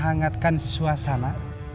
bisa menghangatkan suasana